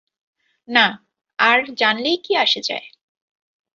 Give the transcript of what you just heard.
না, আর জানলেই কি আসে যায়।